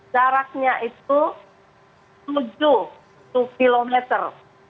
jaraknya itu tujuh kilometer